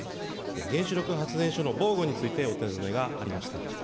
原子力発電所の防護についてお尋ねがありました。